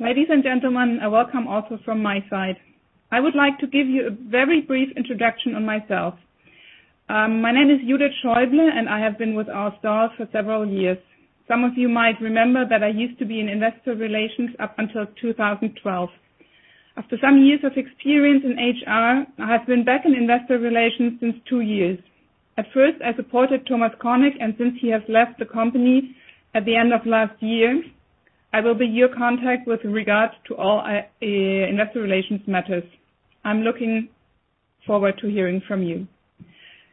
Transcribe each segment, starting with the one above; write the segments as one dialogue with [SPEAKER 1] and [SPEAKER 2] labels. [SPEAKER 1] Ladies and gentlemen, a welcome also from my side. I would like to give you a very brief introduction on myself. My name is Judith Schäuble, and I have been with R. STAHL for several years. Some of you might remember that I used to be in investor relations up until 2012. After some years of experience in HR, I have been back in investor relations since two years. At first, I supported Thomas Kornek, and since he has left the company at the end of last year, I will be your contact with regards to all investor relations matters. I'm looking forward to hearing from you.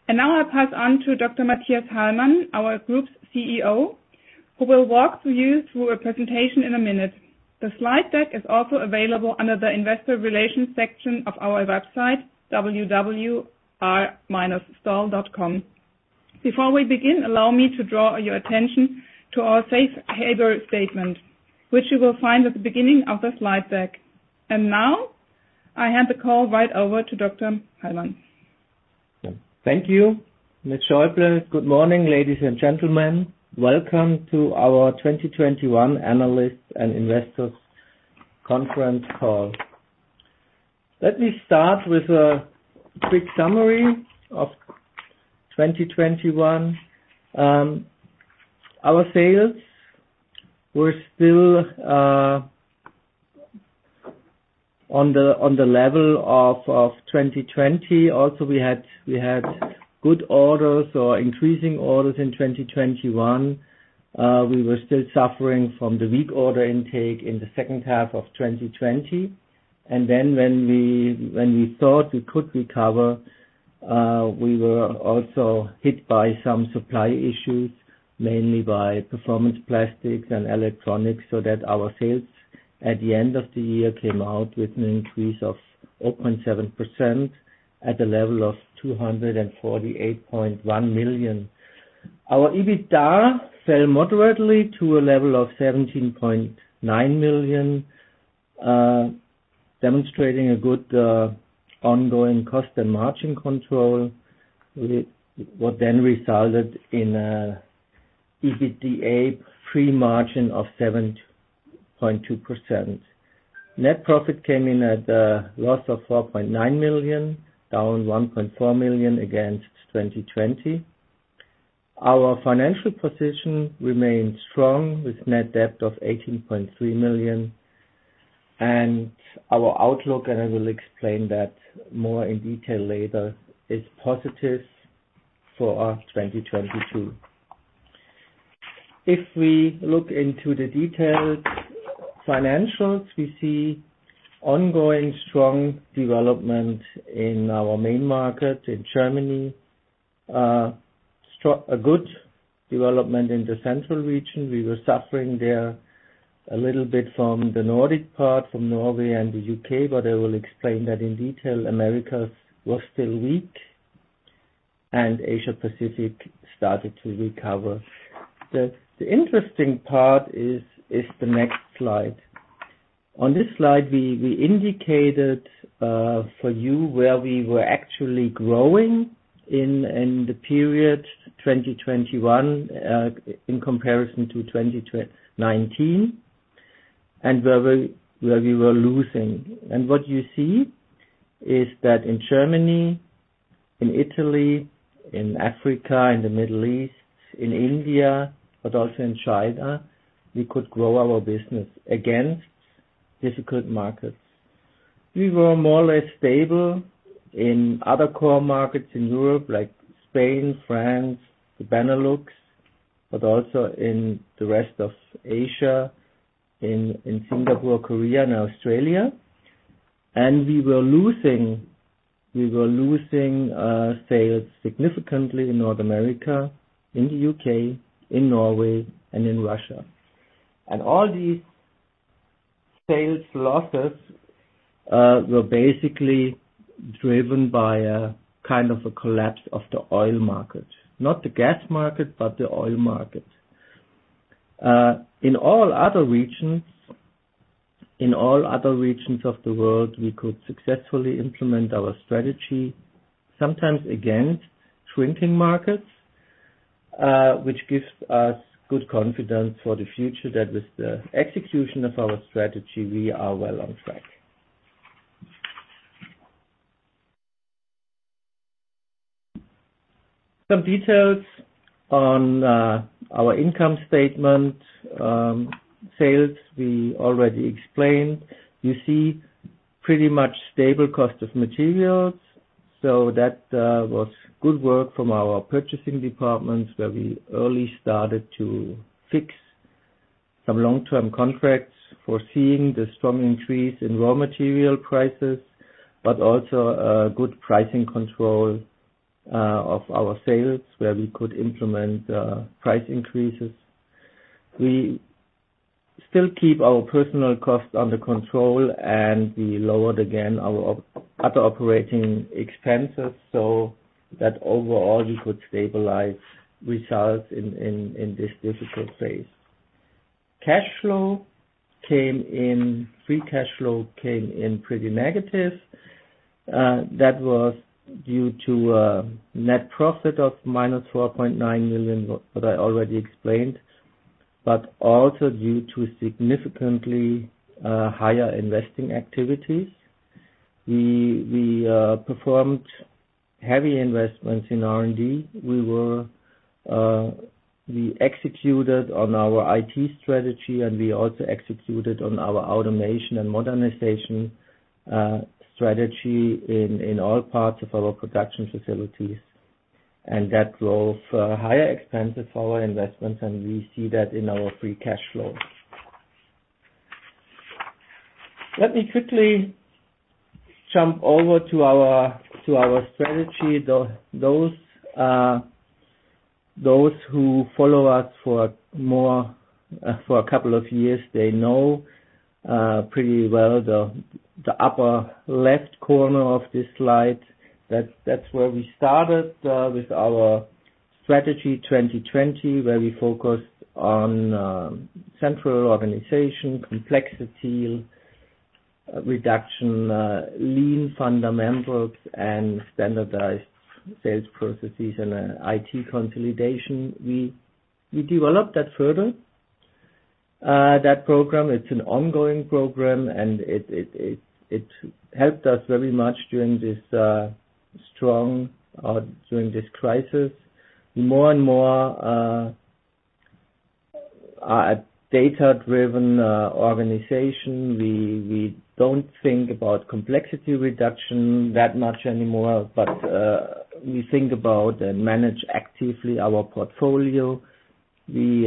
[SPEAKER 1] Now I pass on to Dr. Mathias Hallmann, our group's CEO, who will walk you through a presentation in a minute. The slide deck is also available under the Investor Relations section of our website, www.r-stahl.com. Before we begin, allow me to draw your attention to our safe harbor statement, which you will find at the beginning of the slide deck. Now I hand the call right over to Dr. Hallmann.
[SPEAKER 2] Thank you, Ms. Schäuble. Good morning, ladies and gentlemen. Welcome to our 2021 analyst and investors conference call. Let me start with a quick summary of 2021. Our sales were still on the level of 2020. Also, we had good orders or increasing orders in 2021. We were still suffering from the weak order intake in the second half of 2020. When we thought we could recover, we were also hit by some supply issues, mainly by performance plastics and electronics, so that our sales at the end of the year came out with an increase of 0.7% at a level of 248.1 million. Our EBITDA fell moderately to a level of 17.9 million, demonstrating a good ongoing cost and margin control. What then resulted in EBITDA pre-exceptionals margin of 7.2%. Net profit came in at a loss of 4.9 million, down 1.4 million against 2020. Our financial position remains strong with net debt of 18.3 million. Our outlook, and I will explain that more in detail later, is positive for 2022. If we look into the detailed financials, we see ongoing strong development in our main market in Germany. A good development in the central region. We were suffering there a little bit from the Nordic part, from Norway and the U.K., but I will explain that in detail. Americas was still weak, and Asia Pacific started to recover. The interesting part is the next slide. On this slide, we indicated for you where we were actually growing in the period 2021 in comparison to 2019, and where we were losing. What you see is that in Germany, in Italy, in Africa, in the Middle East, in India, but also in China, we could grow our business against difficult markets. We were more or less stable in other core markets in Europe, like Spain, France, the Benelux, but also in the rest of Asia, in Singapore, Korea, and Australia. We were losing sales significantly in North America, in the U.K., in Norway, and in Russia. All these sales losses were basically driven by a kind of a collapse of the oil market, not the gas market, but the oil market. In all other regions of the world, we could successfully implement our strategy, sometimes against shrinking markets, which gives us good confidence for the future that with the execution of our strategy, we are well on track. Some details on our income statement. Sales, we already explained. You see pretty much stable cost of materials that was good work from our purchasing departments, where we early started to fix some long-term contracts, foreseeing the strong increase in raw material prices, but also good pricing control of our sales, where we could implement price increases. We still keep our personnel costs under control, and we lowered again our other operating expenses, so that overall we could stabilize results in this difficult phase. Free cash flow came in pretty negative. That was due to net profit of -4.9 million, what I already explained, but also due to significantly higher investing activities. We performed heavy investments in R&D. We executed on our IT strategy, and we also executed on our automation and modernization strategy in all parts of our production facilities. That drove higher expenses for our investments, and we see that in our free cash flow. Let me quickly jump over to our strategy. Those who follow us for more than a couple of years know pretty well the upper left corner of this slide. That's where we started with our Strategy 2020, where we focused on central organization, complexity reduction, lean fundamentals, and standardized sales processes and IT consolidation. We developed that further. That program, it's an ongoing program, and it helped us very much during this crisis. More and more, a data-driven organization. We don't think about complexity reduction that much anymore, but we think about and manage actively our portfolio. We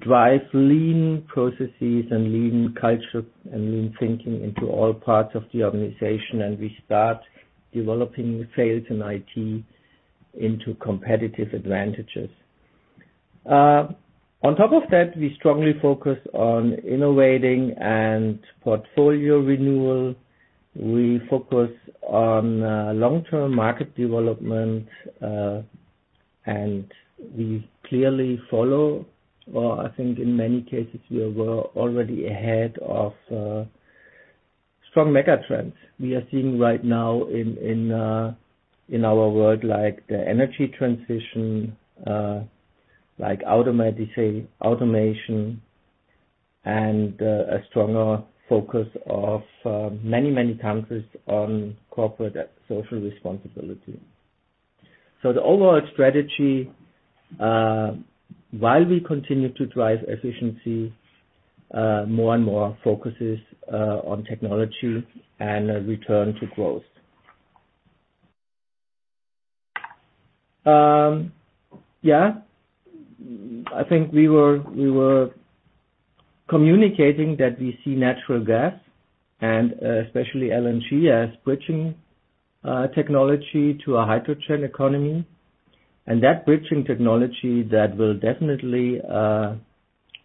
[SPEAKER 2] drive lean processes and lean culture and lean thinking into all parts of the organization, and we start developing sales and IT into competitive advantages. On top of that, we strongly focus on innovating and portfolio renewal. We focus on long-term market development, and we clearly follow, or I think in many cases we were already ahead of, strong mega trends we are seeing right now in our world, like the energy transition, like automation and a stronger focus of many countries on corporate social responsibility. The overall strategy, while we continue to drive efficiency, more and more focuses on technology and a return to growth. I think we were communicating that we see natural gas and especially LNG as bridging technology to a hydrogen economy. That bridging technology will definitely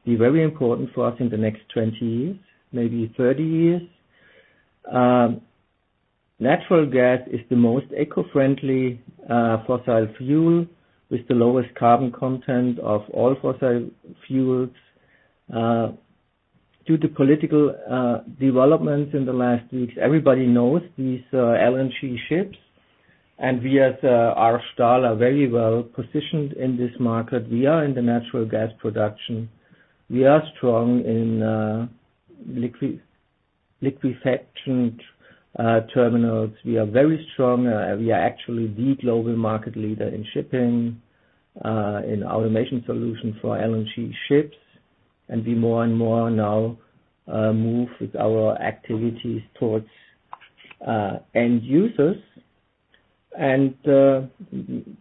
[SPEAKER 2] be very important for us in the next 20 years, maybe 30 years. Natural gas is the most eco-friendly fossil fuel with the lowest carbon content of all fossil fuels. Due to political developments in the last weeks, everybody knows these LNG ships. We as R. STAHL are very well positioned in this market. We are in the natural gas production. We are strong in liquefaction terminals. We are very strong. We are actually the global market leader in shipping in automation solutions for LNG ships. We more and more now move with our activities towards end users.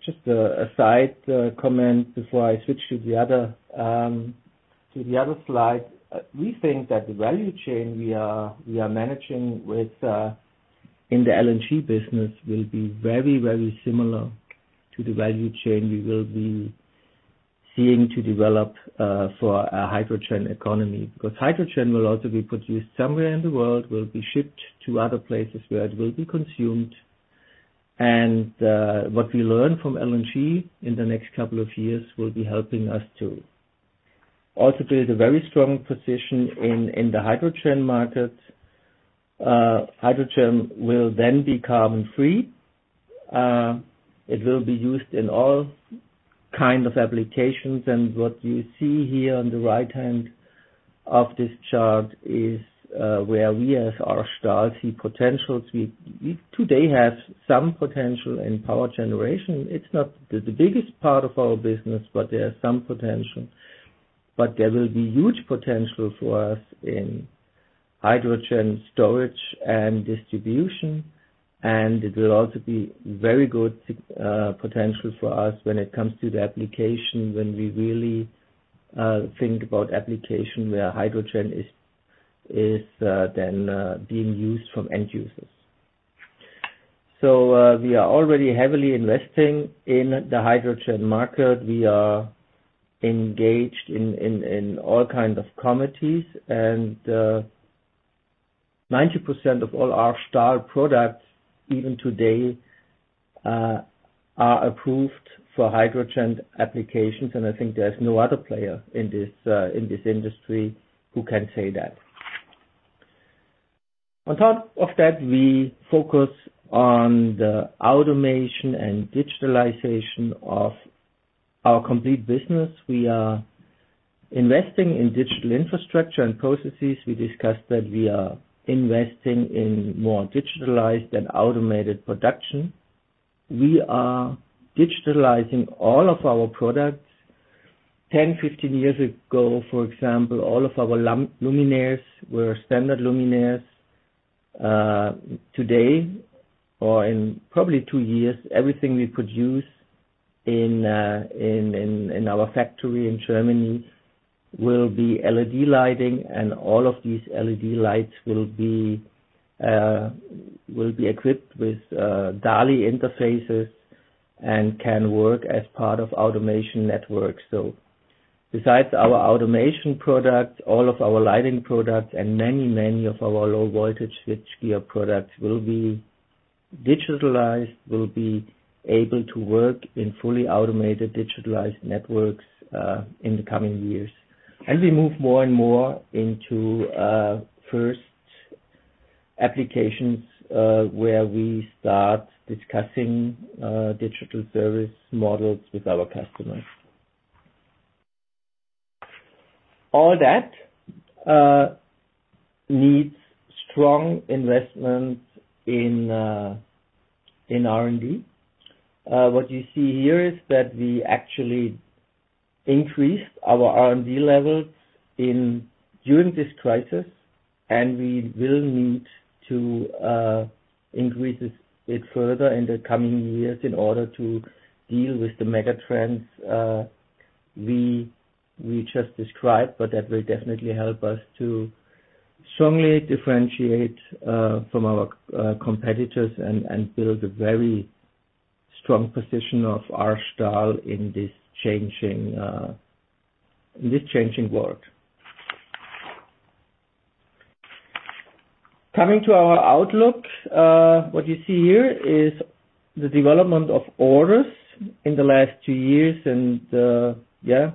[SPEAKER 2] Just a side comment before I switch to the other slide. We think that the value chain we are managing with in the LNG business will be very, very similar to the value chain we will be seeking to develop for a hydrogen economy. Because hydrogen will also be produced somewhere in the world, will be shipped to other places where it will be consumed. What we learn from LNG in the next couple of years will be helping us to also build a very strong position in the hydrogen market. Hydrogen will then be carbon-free. It will be used in all kind of applications. What you see here on the right hand of this chart is where we as R. STAHL see potentials. We today have some potential in power generation. It's not the biggest part of our business, but there are some potential. There will be huge potential for us in hydrogen storage and distribution. It will also be very good potential for us when it comes to the application, when we really think about application where hydrogen is then being used from end users. We are already heavily investing in the hydrogen market. We are engaged in all kinds of committees. 90% of all R. STAHL products, even today, are approved for hydrogen applications, and I think there's no other player in this industry who can say that. On top of that, we focus on the automation and digitalization of our complete business. We are investing in digital infrastructure and processes. We discussed that we are investing in more digitalized and automated production. We are digitalizing all of our products. 10, 15 years ago, for example, all of our luminaires were standard luminaires. Today or in probably two years, everything we produce in our factory in Germany will be LED lighting, and all of these LED lights will be equipped with DALI interfaces and can work as part of automation networks. Besides our automation products, all of our lighting products and many, many of our low voltage switchgear products will be digitalized, will be able to work in fully automated, digitalized networks in the coming years. We move more and more into first applications where we start discussing digital service models with our customers. All that needs strong investment in R&D. What you see here is that we actually increased our R&D levels during this crisis, and we will need to increase it further in the coming years in order to deal with the mega trends we just described. But that will definitely help us to strongly differentiate from our competitors and build a very strong position of R. STAHL in this changing world. Coming to our outlook, what you see here is the development of orders in the last two years. Yeah,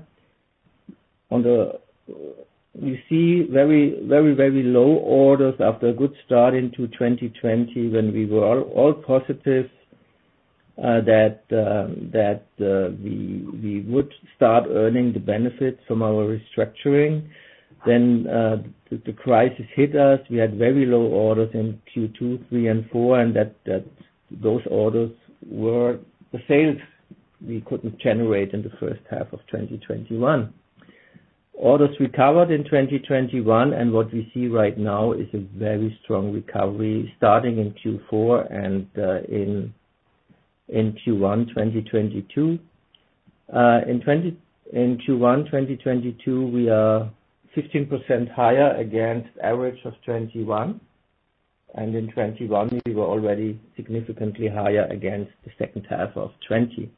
[SPEAKER 2] you see very low orders after a good start into 2020 when we were all positive that we would start earning the benefits from our restructuring. Then, the crisis hit us. We had very low orders in Q2, Q3, and Q4, and those orders were the sales we couldn't generate in the first half of 2021. Orders recovered in 2021, and what we see right now is a very strong recovery starting in Q4 and in Q1, 2022. In Q1, 2022, we are 15% higher against average of 2021. In 2021 we were already significantly higher against the second half of 2020.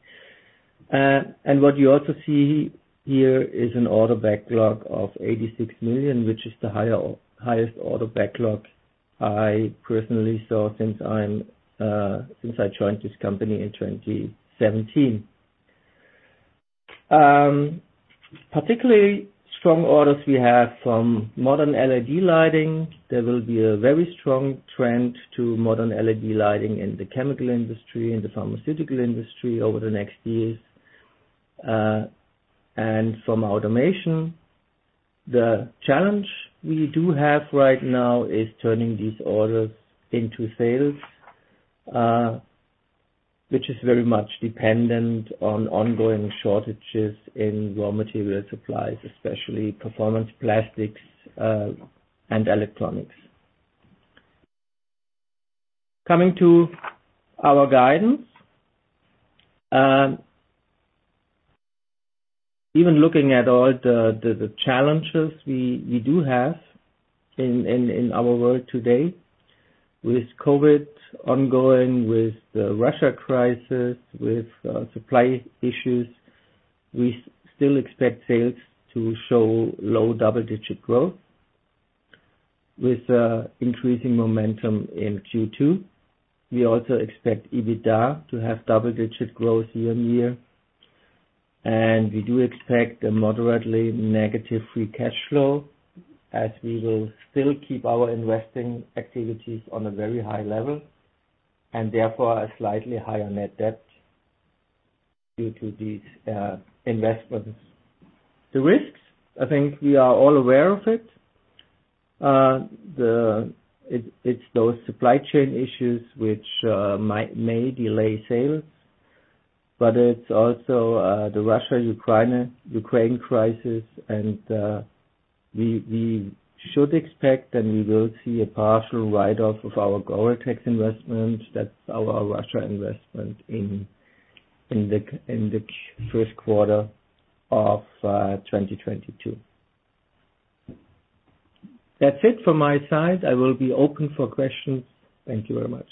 [SPEAKER 2] What you also see here is an order backlog of 86 million, which is the highest order backlog I personally saw since I joined this company in 2017. Particularly strong orders we have from modern LED lighting. There will be a very strong trend to modern LED lighting in the chemical industry and the pharmaceutical industry over the next years, and from automation. The challenge we do have right now is turning these orders into sales, which is very much dependent on ongoing shortages in raw material supplies, especially performance plastics, and electronics. Coming to our guidance, even looking at all the challenges we do have in our world today with COVID ongoing, with the Russia crisis, with supply issues, we still expect sales to show low double-digit growth with increasing momentum in Q2. We also expect EBITDA to have double-digit growth year-on-year, and we do expect a moderately negative free cash flow as we will still keep our investing activities on a very high level and therefore a slightly higher net debt due to these investments. The risks, I think we are all aware of it. It's those supply chain issues which may delay sales, but it's also the Russia-Ukraine crisis. We should expect and we will see a partial write-off of our Goreltex investment. That's our Russia investment in the first quarter of 2022. That's it for my side. I will be open for questions. Thank you very much.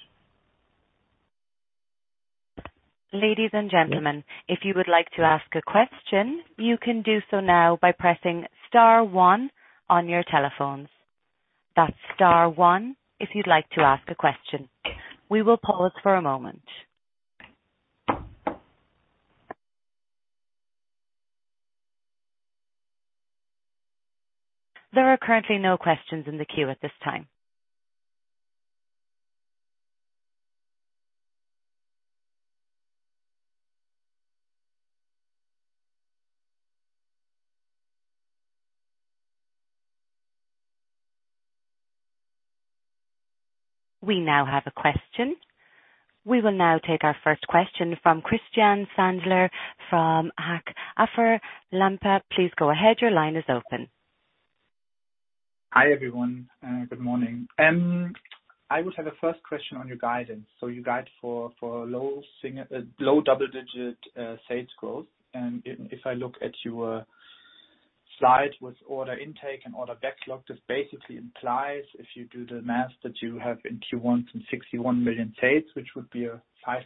[SPEAKER 3] Ladies and gentlemen.
[SPEAKER 2] Yeah.
[SPEAKER 3] If you would like to ask a question, you can do so now by pressing star one on your telephones. That's star one, if you'd like to ask a question. We will pause for a moment. There are currently no questions in the queue at this time. We now have a question. We will now take our first question from Christian Sandherr from Hauck Aufhäuser Lampe. Please go ahead. Your line is open.
[SPEAKER 4] Hi, everyone. Good morning. I would have a first question on your guidance. You guide for low double-digit sales growth. If I look at your slide with order intake and order backlog, this basically implies, if you do the math, that you have in Q1 some 61 million sales, which would be a 5%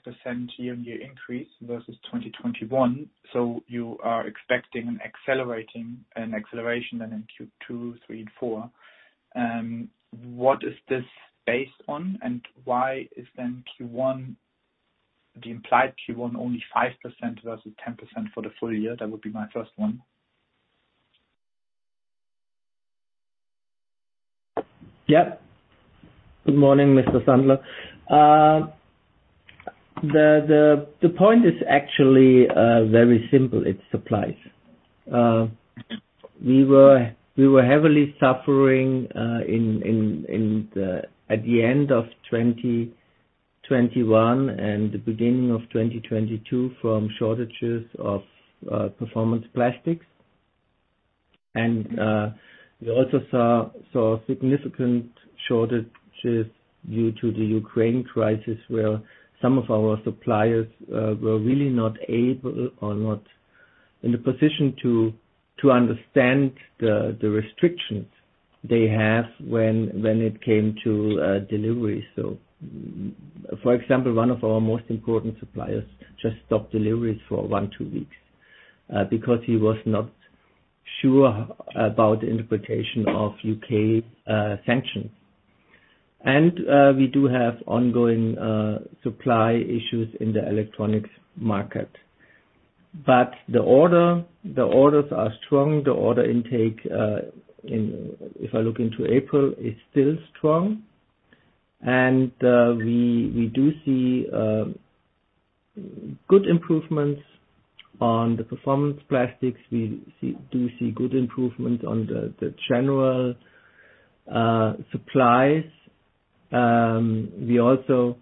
[SPEAKER 4] year-on-year increase versus 2021. You are expecting an acceleration then in Q2, Q3 and Q4. What is this based on and why is then Q1 the implied Q1 only 5% versus 10% for the full year? That would be my first one.
[SPEAKER 2] Yeah. Good morning, Mr. Sandherr. The point is actually very simple. It's supplies. We were heavily suffering at the end of 2021 and the beginning of 2022 from shortages of performance plastics. We also saw significant shortages due to the Ukraine crisis, where some of our suppliers were really not able or not in the position to understand the restrictions they have when it came to deliveries. For example, one of our most important suppliers just stopped deliveries for one or two weeks because he was not sure about interpretation of U.K. sanctions. We do have ongoing supply issues in the electronics market. The orders are strong. The order intake, if I look into April, is still strong. We do see good improvements on the performance plastics. We do see good improvement on the general supplies. We also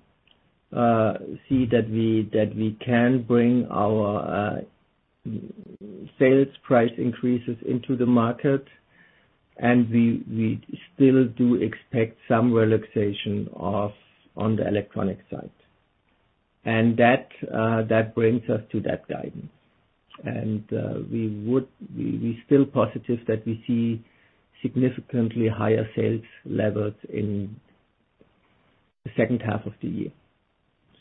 [SPEAKER 2] see that we can bring our sales price increases into the market, and we still do expect some relaxation on the electronic side. That brings us to that guidance. We're still positive that we see significantly higher sales levels in the second half of the year,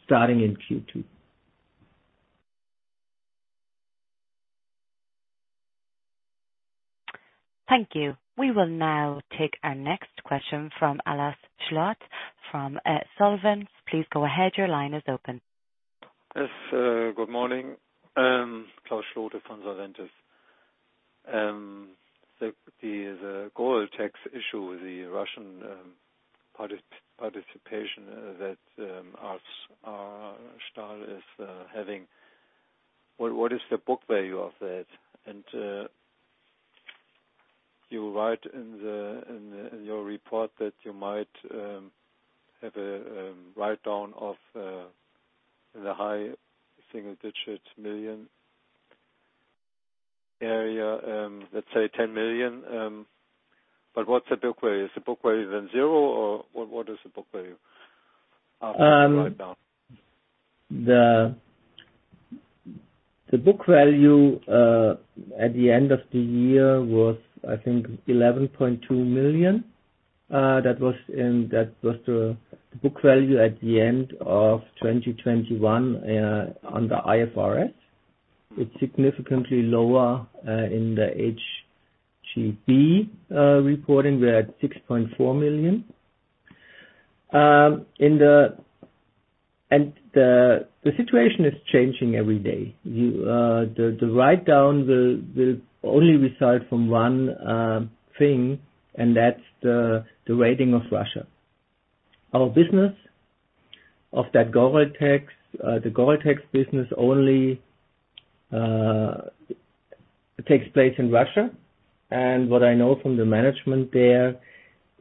[SPEAKER 2] starting in Q2.
[SPEAKER 3] Thank you. We will now take our next question from Klaus Schlote from Solventis. Please go ahead. Your line is open.
[SPEAKER 5] Yes, good morning. Klaus Schlote from Solventis. The Goreltex issue, the Russian participation that R. STAHL is having, what is the book value of that? You write in your report that you might have a write down of in the high single digits million area, let's say 10 million. But what's the book value? Is the book value then zero, or what is the book value of that write down?
[SPEAKER 2] The book value at the end of the year was, I think, 11.2 million. That was the book value at the end of 2021 under IFRS. It's significantly lower in the HGB reporting. We're at 6.4 million. The situation is changing every day. The write down will only result from one thing, and that's the rating of Russia. Our business of that Goreltex, the Goreltex business only takes place in Russia. What I know from the management there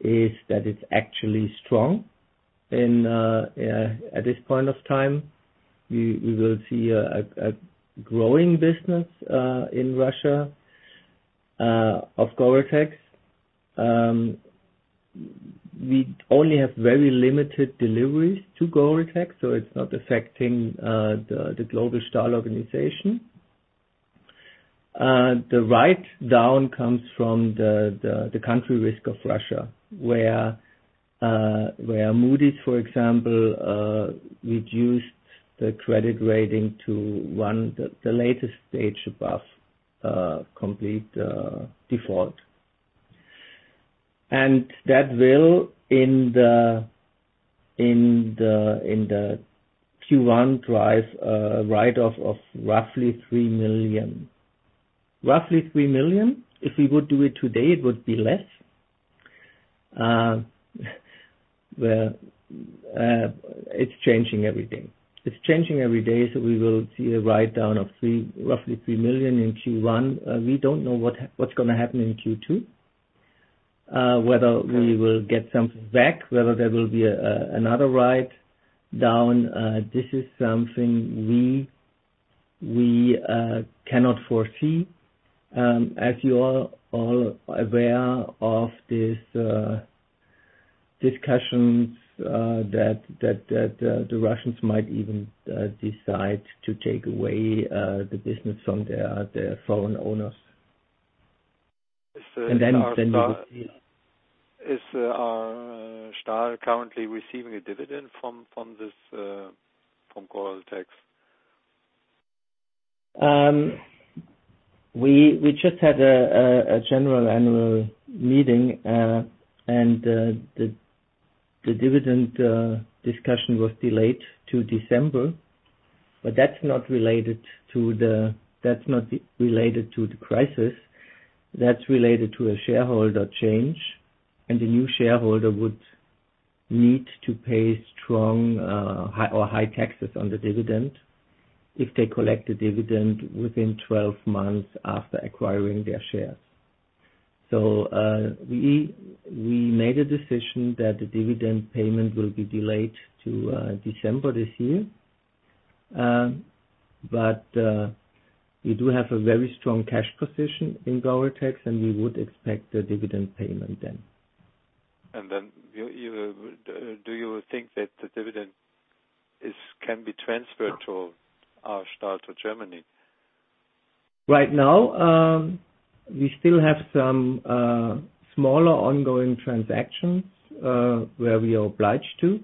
[SPEAKER 2] is that it's actually strong. At this point of time, we will see a growing business in Russia of Goreltex. We only have very limited deliveries to Goreltex, so it's not affecting the global STAHL organization. The write down comes from the country risk of Russia, where Moody's, for example, reduced the credit rating to one, the latest stage above complete default. That will in the Q1 drive a write-off of roughly 3 million. If we would do it today, it would be less. Well, it's changing every day, so we will see a write-down of roughly 3 million in Q1. We don't know what's gonna happen in Q2, whether we will get something back, whether there will be another write-down. This is something we cannot foresee. As you all are aware of these discussions that the Russians might even decide to take away the business from their foreign owners.
[SPEAKER 5] Is, uh, R.-
[SPEAKER 2] We will see.
[SPEAKER 5] Is our R. STAHL currently receiving a dividend from this Goreltex?
[SPEAKER 2] We just had an Annual General Meeting, and the dividend discussion was delayed to December, but that's not related to the crisis. That's related to a shareholder change, and the new shareholder would need to pay high taxes on the dividend if they collect the dividend within 12 months after acquiring their shares. We made a decision that the dividend payment will be delayed to December this year. We do have a very strong cash position in Goreltex, and we would expect a dividend payment then.
[SPEAKER 5] Do you think that the dividend can be transferred to STAHL to Germany?
[SPEAKER 2] Right now, we still have some smaller ongoing transactions where we are obliged to.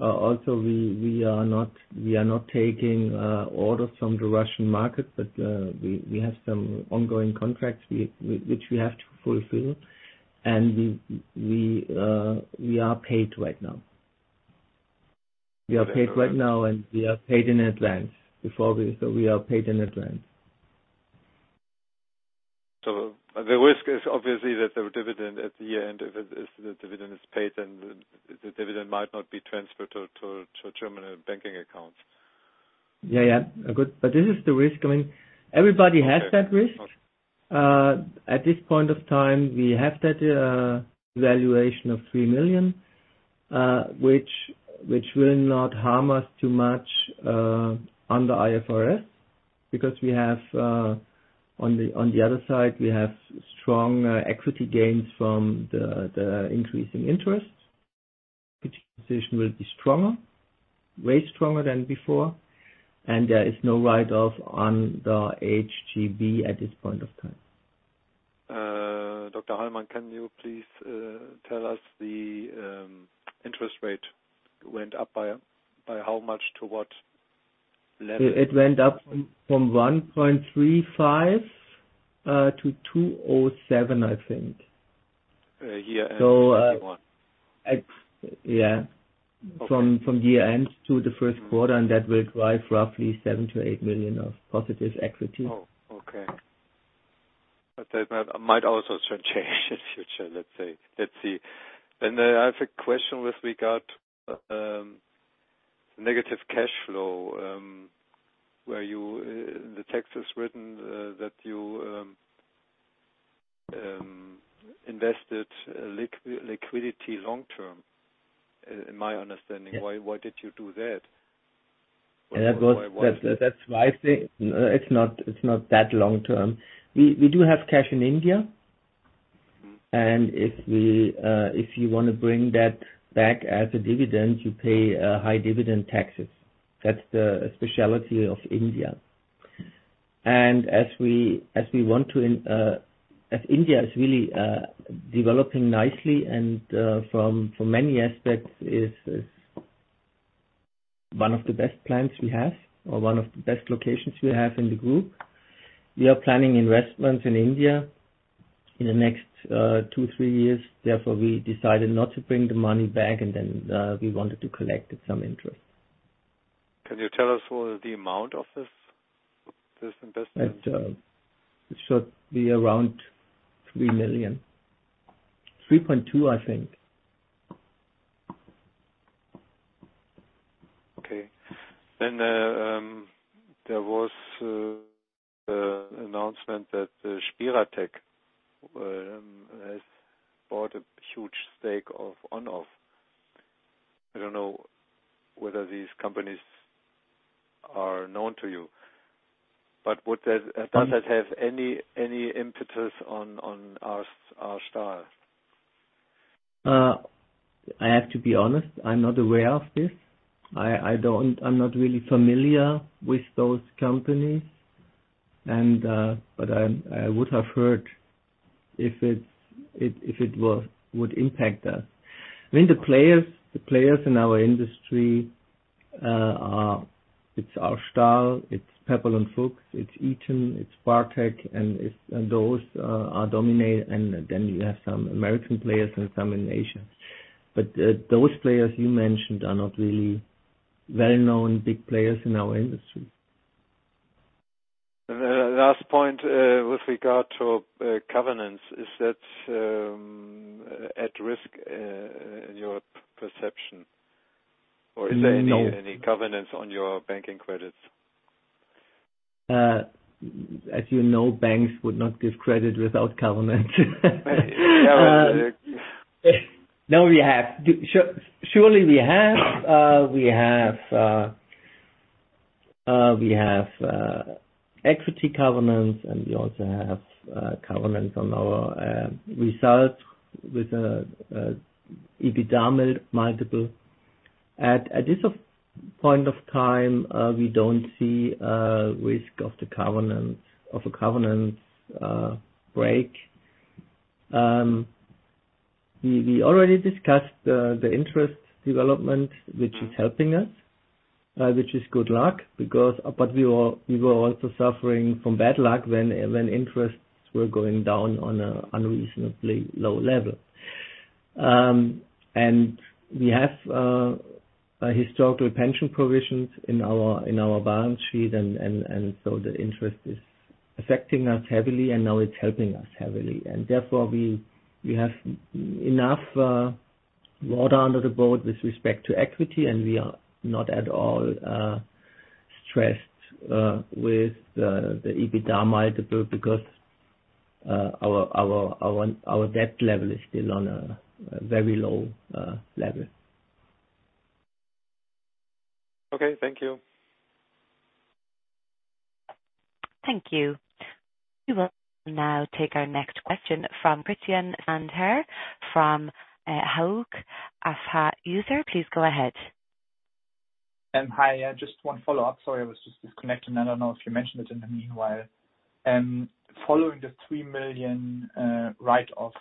[SPEAKER 2] Also, we are not taking orders from the Russian market, but we have some ongoing contracts which we have to fulfill. We are paid right now, and we are paid in advance.
[SPEAKER 5] The risk is obviously that the dividend at the end, if the dividend is paid, then the dividend might not be transferred to German banking accounts.
[SPEAKER 2] Yeah, yeah. Good. This is the risk. I mean, everybody has that risk.
[SPEAKER 5] Okay.
[SPEAKER 2] At this point of time, we have that valuation of 3 million, which will not harm us too much under IFRS. Because we have, on the other side, we have strong equity gains from the increase in interest, which position will be stronger, way stronger than before. There is no write-off on the HGB at this point of time.
[SPEAKER 5] Dr. Hallmann, can you please tell us the interest rate went up by how much to what level?
[SPEAKER 2] It went up from 1.35 million to 2.07 million, I think.
[SPEAKER 5] Year-end EUR 6.1 million.
[SPEAKER 2] Yeah.
[SPEAKER 5] Okay.
[SPEAKER 2] From year end to the first quarter, and that will drive roughly 7 million -8 million of positive equity.
[SPEAKER 5] Oh, okay. That might also change in future, let's say. Let's see. Then I have a question with regard to negative cash flow, where the text is written that you invested liquidity long term, in my understanding.
[SPEAKER 2] Yes.
[SPEAKER 5] Why did you do that?
[SPEAKER 2] That's why I say it's not that long term. We do have cash in India.
[SPEAKER 5] Mm-hmm.
[SPEAKER 2] If you wanna bring that back as a dividend, you pay high dividend taxes. That's the specialty of India. As India is really developing nicely and from many aspects is one of the best plants we have or one of the best locations we have in the group. We are planning investments in India in the next two to three years. Therefore, we decided not to bring the money back, and then we wanted to collect some interest.
[SPEAKER 5] Can you tell us what the amount of this investment is?
[SPEAKER 2] It should be around 3 million. 3.2 million, I think.
[SPEAKER 5] Okay, there was an announcement that SpiraTec has bought a huge stake of onoff. I don't know whether these companies are known to you. Would that-
[SPEAKER 2] Mm-hmm.
[SPEAKER 5] Does that have any impetus on R. STAHL?
[SPEAKER 2] I have to be honest, I'm not aware of this. I'm not really familiar with those companies. I would have heard if it would impact us. I mean, the players in our industry are R. STAHL, Pepperl+Fuchs, Eaton, Bartec, and those are dominant. You have some American players and some in Asia. Those players you mentioned are not really well-known big players in our industry.
[SPEAKER 5] Last point, with regard to covenants. Is that at risk in your perception? Or is there any-
[SPEAKER 2] No.
[SPEAKER 5] Any covenants on your banking credits?
[SPEAKER 2] As you know, banks would not give credit without covenants.
[SPEAKER 5] Yeah, right.
[SPEAKER 2] Surely we have equity covenants, and we also have covenants on our results with EBITDA multiple. At this point of time, we don't see a risk of a covenant break. We already discussed the interest development, which is helping us, which is good luck because we were also suffering from bad luck when interests were going down to an unreasonably low level. We have historical pension provisions in our balance sheet, and so the interest is affecting us heavily and now it's helping us heavily. Therefore, we have enough water under the bridge with respect to equity, and we are not at all stressed with the EBITDA multiple because our debt level is still on a very low level.
[SPEAKER 5] Okay. Thank you.
[SPEAKER 3] Thank you. We will now take our next question from Christian Sandherr from Hauck Aufhäuser. Please go ahead.
[SPEAKER 4] Hi. Just one follow-up. Sorry, I was just disconnected, and I don't know if you mentioned it in the meanwhile. Following the 3 million write-off,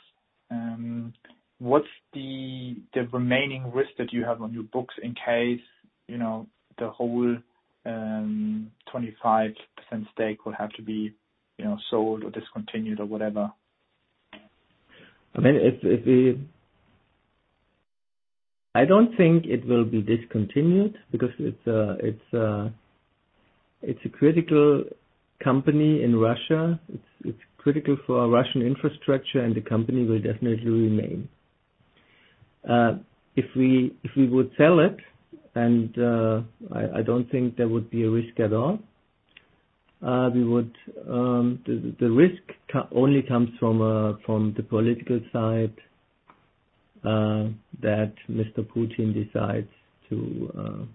[SPEAKER 4] what's the remaining risk that you have on your books in case, you know, the whole 25% stake will have to be, you know, sold or discontinued or whatever?
[SPEAKER 2] I mean, I don't think it will be discontinued because it's a critical company in Russia. It's critical for Russian infrastructure, and the company will definitely remain. If we would sell it, I don't think there would be a risk at all. The risk only comes from the political side that Mr. Putin decides to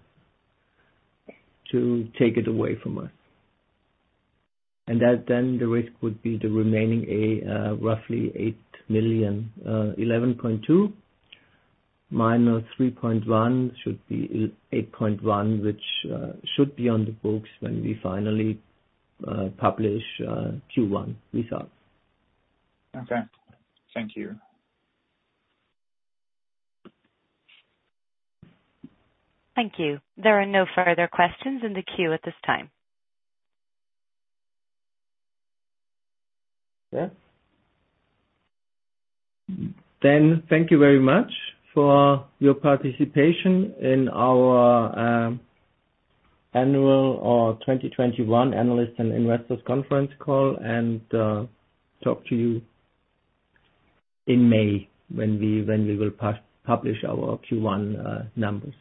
[SPEAKER 2] take it away from us. That then the risk would be the remaining roughly 8 million, 11.2 million minus 3.1 million should be 8.1 million, which should be on the books when we finally publish Q1 results.
[SPEAKER 4] Okay. Thank you.
[SPEAKER 3] Thank you. There are no further questions in the queue at this time.
[SPEAKER 2] Yeah. Thank you very much for your participation in our annual or 2021 analysts and investors conference call. Talk to you in May when we will publish our Q1 numbers.